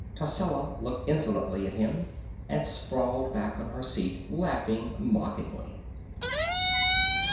Tascela looked insolently at him, and sprawled back on her seat, laughing mockingly.